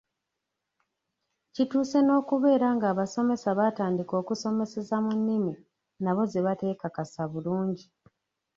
Kituuse n’okubeera ng’abasomesa baatandika okusomeseza mu nnimi nabo ze bateekakasa bulungi.